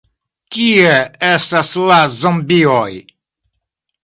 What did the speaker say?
Kie estas la zombioj?